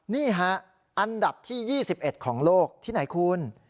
นี่ฮะอันดับที่๒๑ของโลกที่ไหนคุณ